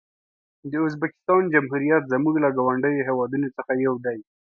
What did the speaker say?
د ازبکستان جمهوریت زموږ له ګاونډیو هېوادونو څخه یو دی.